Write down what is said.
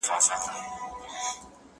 هم باندي جوړ سول لوی زیارتونه `